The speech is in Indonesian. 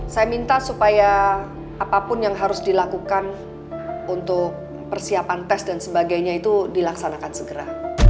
saya minta supaya apapun yang harus dilakukan untuk persiapan tes dan sebagainya itu dilaksanakan segera